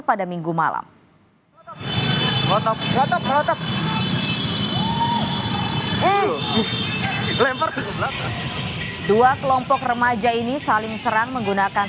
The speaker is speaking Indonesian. pada minggu malam otot otot hai uh lempar dua kelompok remaja ini saling serang menggunakan